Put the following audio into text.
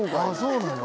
そうなの？